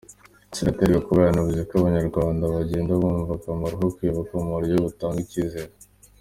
Senateri Gakuba yanavuze ko Abanyarwanda bagenda bumva akamaro ko kwibuka mu buryo butanga icyizere.